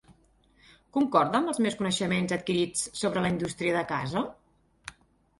Concorda amb els meus coneixements adquirits sobre la indústria de casa?